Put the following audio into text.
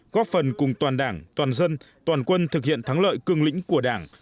góp phần cùng toàn đảng toàn dân toàn quân thực hiện thắng lợi cương lĩnh của đảng